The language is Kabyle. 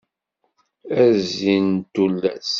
A zzin n tullas.